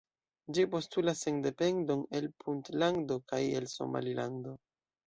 Ĝi postulas sendependon el Puntlando kaj el Somalilando.